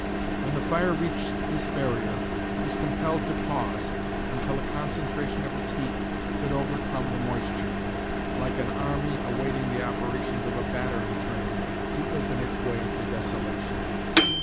When the fire reached this barrier, it was compelled to pause, until a concentration of its heat could overcome the moisture, like an army awaiting the operations of a battering train, to open its way to desolation.